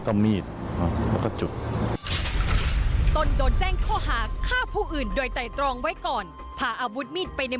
ติดแตกแล้วก็วิ่งไปเอา